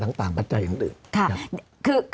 สำหรับกำลังการผลิตหน้ากากอนามัย